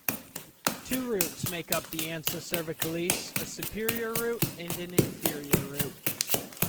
Two roots make up the ansa cervicalis, a superior root, and an inferior root.